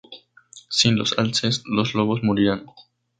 Sin los alces, los lobos morirían.